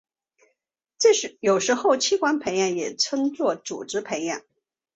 有时候器官培养也称作组织培养。